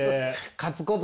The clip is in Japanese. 勝つこと